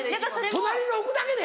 隣に置くだけで？